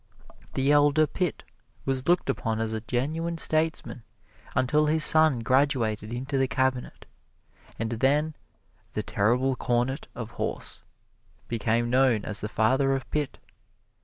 The elder Pitt was looked upon as a genuine statesman until his son graduated into the Cabinet, and then "the terrible cornet of horse" became known as the father of Pitt.